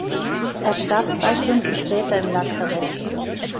Er starb zwei Stunden später im Lazarett.